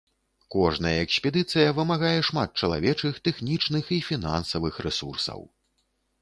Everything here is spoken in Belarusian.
Кожная экспедыцыя вымагае шмат чалавечых, тэхнічных і фінансавых рэсурсаў.